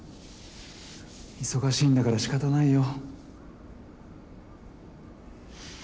忙しいんだから仕方ないよ。